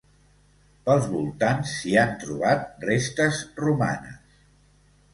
Pels voltants s'hi han trobat restes romanes.